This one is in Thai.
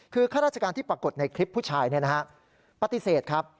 คือข้าราชการที่ปรากฏในคลิปผู้ชายปฏิเสธครับ